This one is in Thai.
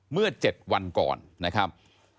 เมื่อ๗วันก่อนนะครับ